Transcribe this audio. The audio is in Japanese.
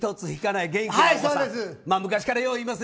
昔からよう言います。